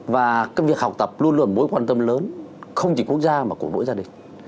và các việc học tập luôn luôn mối quan tâm lớn không chỉ quốc gia mà cũng đối với gia đình